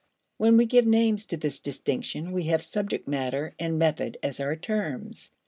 When we give names to this distinction we have subject matter and method as our terms.